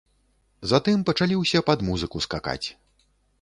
Затым пачалі ўсе пад музыку скакаць.